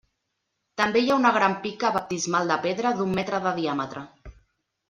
També hi ha una gran pica baptismal de pedra d'un metre de diàmetre.